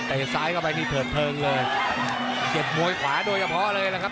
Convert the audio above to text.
แต่เห็นซ้ายเข้าไปนี่เถิดเพลิงเลยเจ็บมวยขวาโดยเฉพาะเลยนะครับ